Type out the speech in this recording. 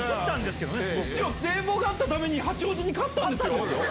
市長、堤防があったために八王子に勝ったんですよ。